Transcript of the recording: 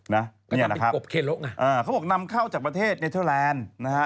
นะนี่นะครับเออเขาบอกนำเข้าจากประเทศเนเทอร์แลนด์นะฮะ